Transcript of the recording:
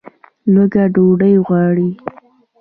لوږه ډوډۍ غواړي